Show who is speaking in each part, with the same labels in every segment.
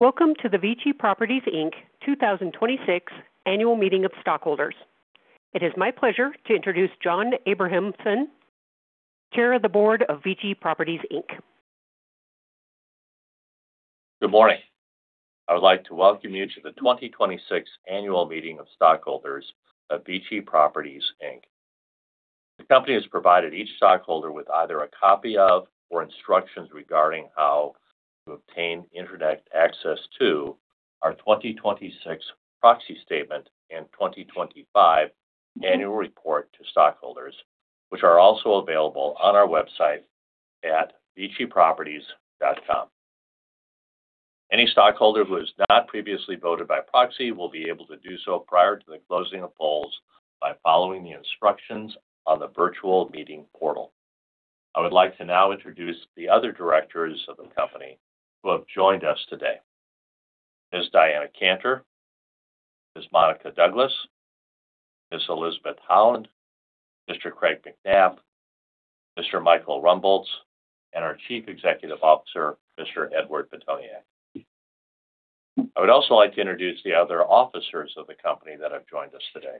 Speaker 1: Welcome to the VICI Properties Inc. 2026 annual meeting of stockholders. It is my pleasure to introduce James Abrahamson, Chair of the Board of VICI Properties Inc.
Speaker 2: Good morning. I would like to welcome you to the 2026 annual meeting of stockholders of VICI Properties Inc. The company has provided each stockholder with either a copy of or instructions regarding how to obtain internet access to our 2026 proxy statement and 2025 annual report to stockholders, which are also available on our website at viciproperties.com. Any stockholder who has not previously voted by proxy will be able to do so prior to the closing of polls by following the instructions on the virtual meeting portal. I would like to now introduce the other directors of the company who have joined us today. Ms. Diana Cantor, Ms. Monica Douglas, Ms. Elizabeth Holland, Mr. Craig Macnab, Mr. Michael Rumbolz, and our Chief Executive Officer, Mr. Edward Pitoniak. I would also like to introduce the other officers of the company that have joined us today.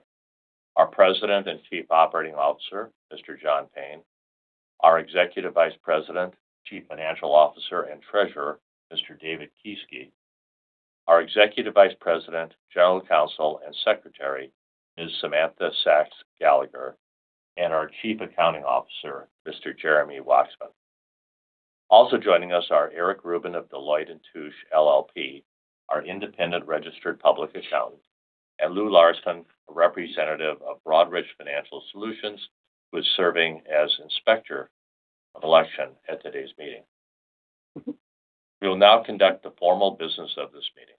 Speaker 2: Our President and Chief Operating Officer, Mr. John Payne. Our Executive Vice President, Chief Financial Officer, and Treasurer, Mr. David Kieske. Our Executive Vice President, General Counsel, and Secretary, Ms. Samantha Sacks Gallagher, and our Chief Accounting Officer, Mr. Jeremy Waxman. Also joining us are Eric Rubin of Deloitte & Touche LLP, our independent registered public accountant, and Lou Larson, a representative of Broadridge Financial Solutions, who is serving as Inspector of Election at today's meeting. We will now conduct the formal business of this meeting.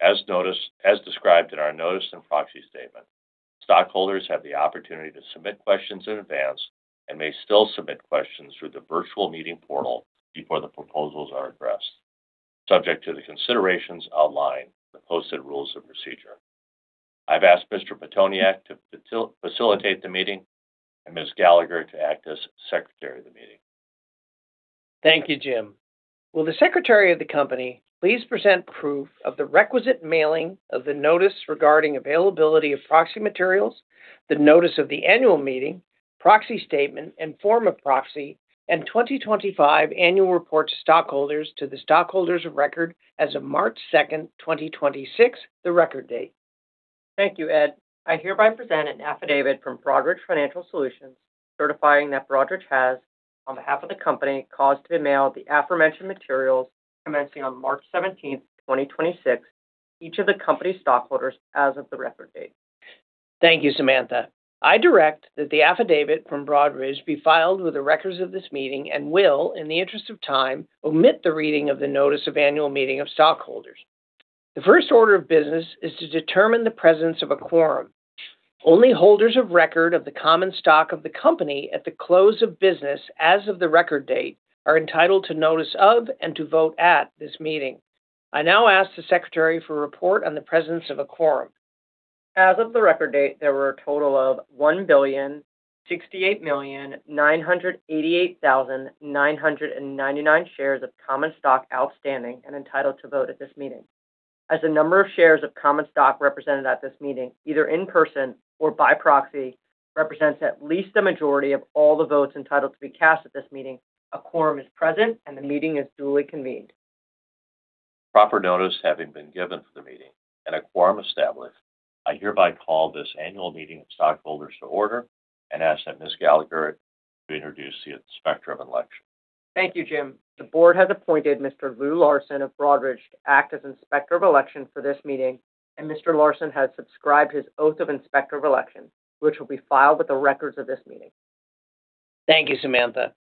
Speaker 2: As described in our notice and proxy statement, stockholders have the opportunity to submit questions in advance and may still submit questions through the virtual meeting portal before the proposals are addressed, subject to the considerations outlined in the posted rules of procedure. I've asked Mr. Pitoniak to facilitate the meeting and Ms. Gallagher to act as Secretary of the meeting.
Speaker 3: Thank you, Jim. Will the Secretary of the company please present proof of the requisite mailing of the notice regarding availability of proxy materials, the notice of the annual meeting, proxy statement, and form of proxy, and 2025 annual report to stockholders to the stockholders of record as of March 2nd, 2026, the record date?
Speaker 4: Thank you, Ed. I hereby present an affidavit from Broadridge Financial Solutions, certifying that Broadridge has, on behalf of the company, caused to be mailed the aforementioned materials commencing on March 17th, 2026, to each of the company's stockholders as of the record date.
Speaker 3: Thank you, Samantha. I direct that the affidavit from Broadridge be filed with the records of this meeting and will, in the interest of time, omit the reading of the notice of annual meeting of stockholders. The first order of business is to determine the presence of a quorum. Only holders of record of the common stock of the company at the close of business as of the record date are entitled to notice of and to vote at this meeting. I now ask the Secretary for a report on the presence of a quorum.
Speaker 4: As of the record date, there were a total of 1,068,988,999 shares of common stock outstanding and entitled to vote at this meeting. As the number of shares of common stock represented at this meeting, either in person or by proxy, represents at least a majority of all the votes entitled to be cast at this meeting, a quorum is present and the meeting is duly convened.
Speaker 2: Proper notice having been given for the meeting and a quorum established, I hereby call this annual meeting of stockholders to order and ask that Ms. Gallagher to introduce the Inspector of Election.
Speaker 4: Thank you, Jim. The board has appointed Mr. Lou Larson of Broadridge to act as Inspector of Election for this meeting, and Mr. Larson has subscribed his Oath of Inspector of Election, which will be filed with the records of this meeting.
Speaker 3: Thank you, Samantha.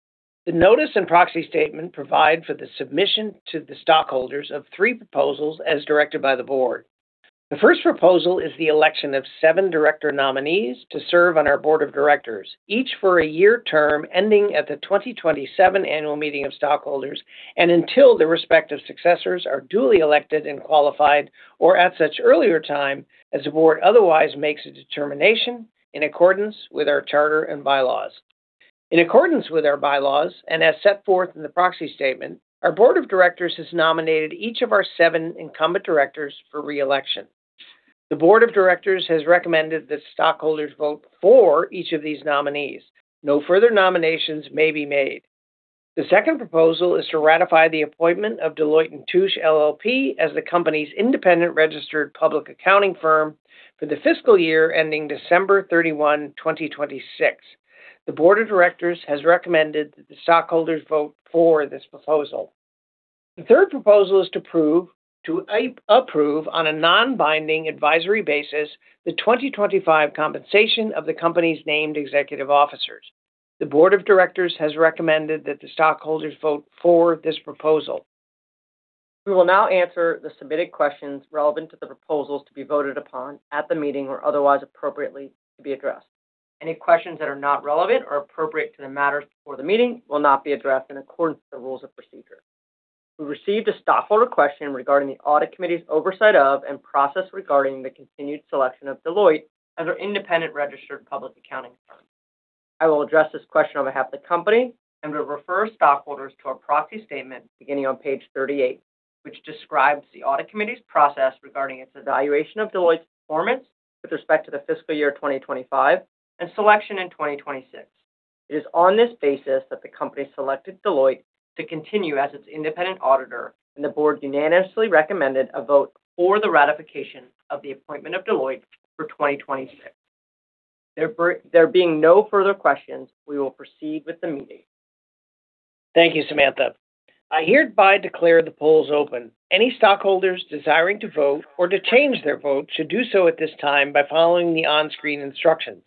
Speaker 3: The notice and proxy statement provide for the submission to the stockholders of three proposals as directed by the board. The first proposal is the election of seven director nominees to serve on our board of directors, each for a year term ending at the 2027 annual meeting of stockholders and until the respective successors are duly elected and qualified or at such earlier time as the board otherwise makes a determination in accordance with our charter and bylaws. In accordance with our bylaws, and as set forth in the proxy statement, our board of directors has nominated each of our seven incumbent directors for re-election. The board of directors has recommended that stockholders vote for each of these nominees. No further nominations may be made. The second proposal is to ratify the appointment of Deloitte & Touche LLP as the company's independent registered public accounting firm for the fiscal year ending December 31, 2026. The Board of Directors has recommended that the stockholders vote for this proposal. The third proposal is to approve on a non-binding advisory basis the 2025 compensation of the company's named executive officers. The Board of Directors has recommended that the stockholders vote for this proposal.
Speaker 4: We will now answer the submitted questions relevant to the proposals to be voted upon at the meeting or otherwise appropriately to be addressed. Any questions that are not relevant or appropriate to the matters before the meeting will not be addressed in accordance with the rules of procedure. We received a stockholder question regarding the audit committee's oversight of and process regarding the continued selection of Deloitte as our independent registered public accounting firm. I will address this question on behalf of the company, and we refer stockholders to our proxy statement beginning on page 38, which describes the audit committee's process regarding its evaluation of Deloitte's performance with respect to the fiscal year 2025 and selection in 2026. It is on this basis that the company selected Deloitte to continue as its independent auditor, and the board unanimously recommended a vote for the ratification of the appointment of Deloitte for 2026. There being no further questions, we will proceed with the meeting.
Speaker 3: Thank you, Samantha. I hereby declare the polls open. Any stockholders desiring to vote or to change their vote should do so at this time by following the on-screen instructions.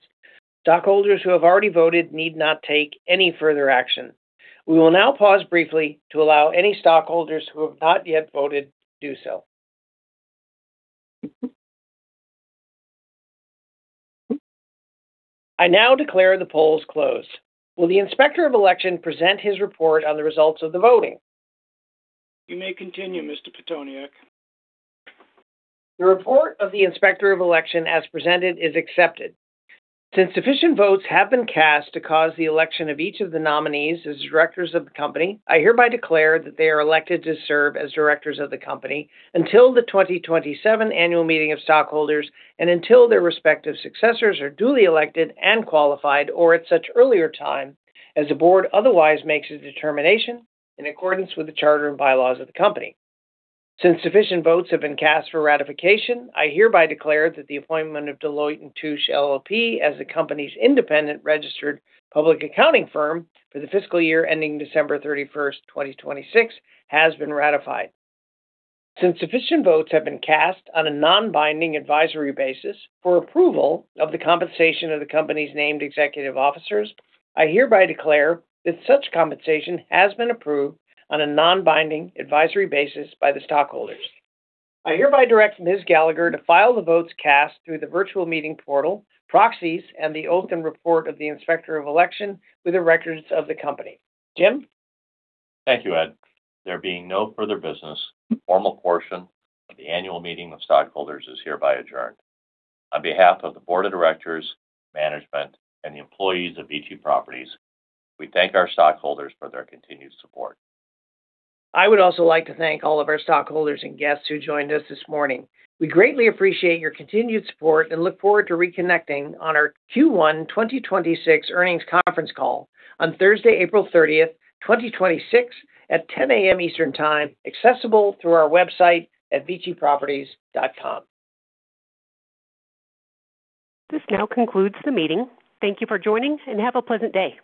Speaker 3: Stockholders who have already voted need not take any further action. We will now pause briefly to allow any stockholders who have not yet voted to do so. I now declare the polls closed. Will the Inspector of Election present his report on the results of the voting?
Speaker 5: You may continue, Mr. Pitoniak.
Speaker 3: The report of the Inspector of Election as presented is accepted. Since sufficient votes have been cast to cause the election of each of the nominees as directors of the company, I hereby declare that they are elected to serve as directors of the company until the 2027 Annual Meeting of Stockholders and until their respective successors are duly elected and qualified, or at such earlier time as the board otherwise makes a determination in accordance with the charter and bylaws of the company. Since sufficient votes have been cast for ratification, I hereby declare that the appointment of Deloitte & Touche LLP as the company's independent registered public accounting firm for the fiscal year ending December 31st, 2026, has been ratified. Since sufficient votes have been cast on a non-binding advisory basis for approval of the compensation of the company's named executive officers, I hereby declare that such compensation has been approved on a non-binding advisory basis by the stockholders. I hereby direct Ms. Gallagher to file the votes cast through the virtual meeting portal proxies and the oath and report of the Inspector of Election with the records of the company. Jim?
Speaker 2: Thank you, Edward. There being no further business, the formal portion of the Annual Meeting of Stockholders is hereby adjourned. On behalf of the Board of Directors, management, and the employees of VICI Properties, we thank our stockholders for their continued support.
Speaker 3: I would also like to thank all of our stockholders and guests who joined us this morning. We greatly appreciate your continued support and look forward to reconnecting on our Q1 2026 earnings conference call on Thursday, April 30th, 2026, at 10:00 A.M. Eastern Time, accessible through our website at viciproperties.com.
Speaker 1: This now concludes the meeting. Thank you for joining, and have a pleasant day.